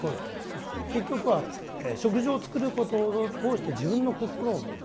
結局は食事を作ることを通して自分の心を見る。